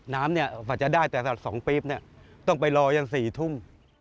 น้ำที่จะได้แต่แสดง๒ปีต้องไปรอน้ำอย่าง๔ทุ่ม